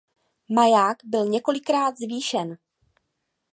Maják byl několikrát zvýšen.